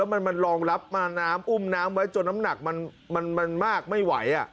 มันรองรับมาน้ำอุ้มน้ำไว้จนน้ำหนักมันมากไม่ไหว